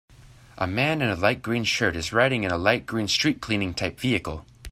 A man in a light green shirt is riding in a light green street cleaning type vehicle.